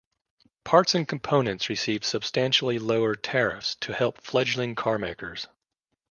Parts and components received substantially lower tariffs to help fledgling carmakers.